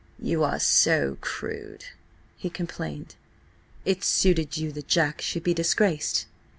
"You are so crude," he complained. "It suited you that Jack should be disgraced?